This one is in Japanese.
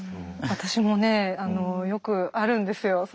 私もねよくあるんですよ。